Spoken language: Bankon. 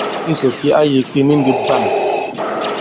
Cɛ kisò ki a yī ki ni ndī bwâm.